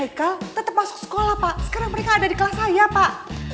mereka tetap masuk sekolah pak sekarang mereka ada di kelas saya pak